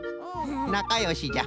なかよしじゃ。